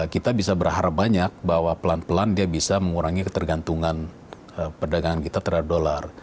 kita bisa berharap banyak bahwa pelan pelan dia bisa mengurangi ketergantungan perdagangan kita terhadap dolar